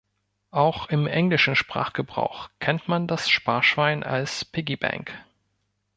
Auch im englischen Sprachgebrauch kennt man das Sparschwein als "Piggy bank".